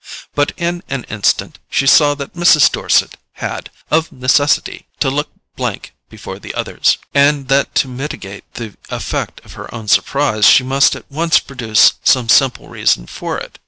But in an instant she saw that Mrs. Dorset had, of necessity, to look blank before the others, and that, to mitigate the effect of her own surprise, she must at once produce some simple reason for it.